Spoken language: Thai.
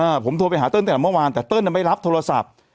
ผมโทรไปหาเติ้ลตั้งแต่เมื่อวานแต่เติ้ลน่ะไม่รับโทรศัพท์